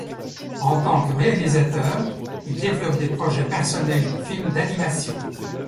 En tant que réalisateur, il développe des projets personnels de films d’animation.